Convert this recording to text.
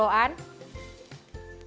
masukkan ke dalam bubuk whipped creamnya